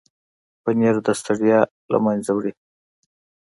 پنېر د ستړیا له منځه وړي.